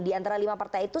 diantara lima partai itu